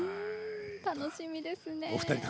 楽しみですね。